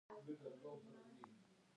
د هرات په اوبې کې د مالګې نښې شته.